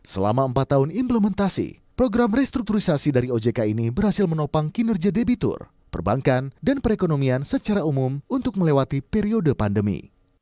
selama empat tahun implementasi program restrukturisasi dari ojk ini berhasil menopang kinerja debitur perbankan dan perekonomian secara umum untuk melewati periode pandemi